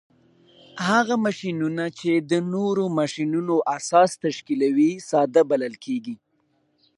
هغه ماشینونه چې د نورو ماشینونو اساس تشکیلوي ساده بلل کیږي.